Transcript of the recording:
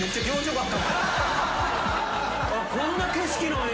こんな景色なんや。